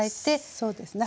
そうですね。